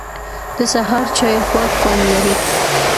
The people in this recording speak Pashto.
د سهار چای خوږ خوند لري